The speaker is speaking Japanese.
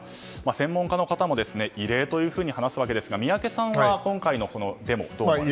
専門家の方も異例というふうに話すわけですが宮家さんは今回のこのデモはどう見ますか？